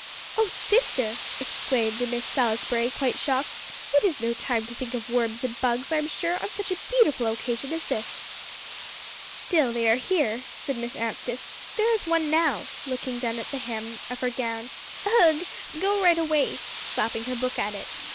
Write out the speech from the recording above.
"Oh sister!" exclaimed Miss Salisbury, quite shocked; "it is no time to think of worms and bugs, I'm sure, on such a beautiful occasion as this." "Still, they are here," said Miss Anstice; "there is one now," looking down at the hem of her gown. "Ugh! go right away," slapping her book at it.